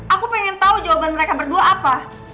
aku pengen tahu jawaban mereka berdua apa